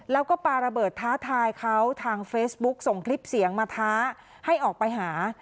แล้วก็ปาระเบิดท้าทายเขาทางเฟซบุ๊กส่งคลิปเสียงมาท้าให้ออกไปหา